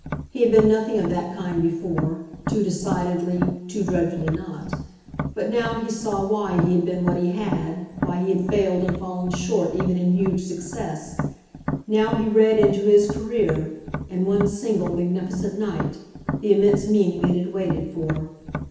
He had been nothing of that kind before too decidedly, too dreadfully not; but now he saw why he had been what he had, why he had failed and fallen short even in huge success; now he read into his career, in one single magnificent night, the immense meaning it had waited for.